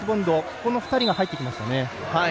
この２人が入ってきましたね。